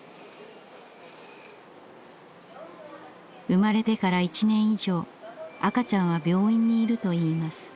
生まれてから１年以上赤ちゃんは病院にいるといいます。